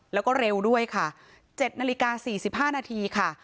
แล้วก็เร็วด้วยค่ะ๗นาฬิกา๔๕นาทีค่ะ